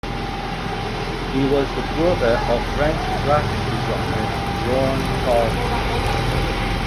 He was the brother of French graphic designer Jean Carlu.